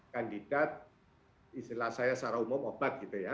kandidat istilah saya secara umum obat gitu ya